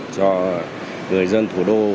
cho người dân thủ đô và